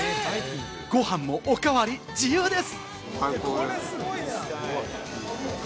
ご飯もおかわり自由です。